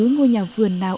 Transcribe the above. ngôi nhà vườn nào